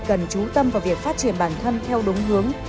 cần trú tâm vào việc phát triển bản thân theo đúng hướng